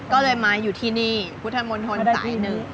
ก็เลยมาอยู่ที่นี่พุทธมวลธนสิ่งหลังหนึ่ง